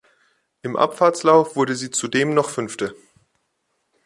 Im Abfahrtslauf wurde sie zudem noch Fünfte.